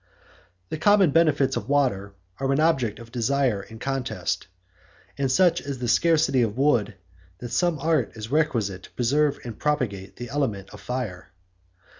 The common benefits of water are an object of desire and contest; and such is the scarcity of wood, that some art is requisite to preserve and propagate the element of fire.